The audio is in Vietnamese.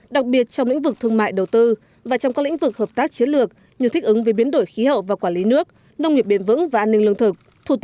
đặc biệt trong lĩnh vực thương mại đầu tư và trong các lĩnh vực hợp tác chiến lược như thích ứng với biến đổi khí hậu và quản lý nước nông nghiệp biện vững và an ninh lương thực